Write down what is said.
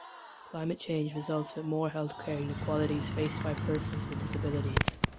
Climate change results with more health care inequalities faced by persons with disabilities.